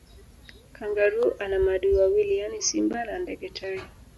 Kangaroo ana maadui wawili yaani simba na ndege tai